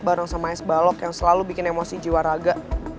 bareng sama es balok yang selalu bikin emosi jiwa raga